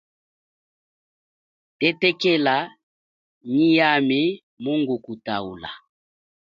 Tetekela nyi yami mungukutaula.